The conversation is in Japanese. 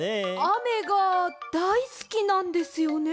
あめがだいすきなんですよね？